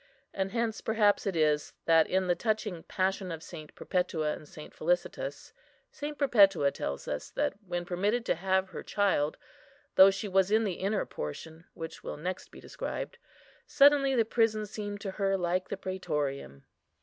And hence, perhaps, it is that, in the touching Passion of St. Perpetua and St. Felicitas, St. Perpetua tells us that, when permitted to have her child, though she was in the inner portion, which will next be described, "suddenly the prison seemed to her like the prætorium."